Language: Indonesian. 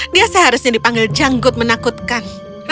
dia seharusnya dipanggil janggut menakutkan